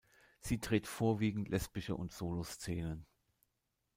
Sie dreht vorwiegend lesbische und Solo-Szenen.